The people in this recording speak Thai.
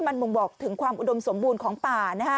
มันบอกถึงความอุดมสมบูรณ์ของป่า